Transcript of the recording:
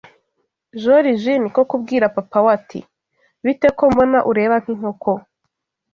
joriji niko kubwira papa we ati bite ko mbona ureba nk’inkoko